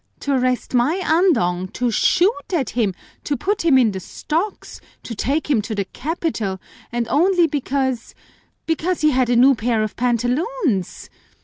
To arrest my Andong, to shoot at him, to put him in the stocks, to take him to the capital, and only because because he had a new pair of pantaloons!